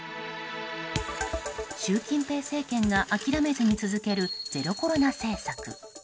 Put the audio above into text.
習近平政権が諦めずに続けるゼロコロナ政策。